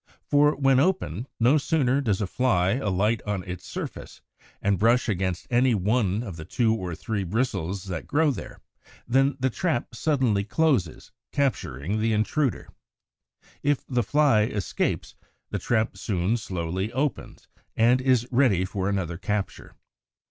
For when open, no sooner does a fly alight on its surface, and brush against any one of the two or three bristles that grow there, than the trap suddenly closes, capturing the intruder. If the fly escapes, the trap soon slowly opens, and is ready for another capture.